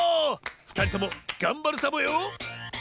ふたりともがんばるサボよ。